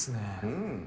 うん。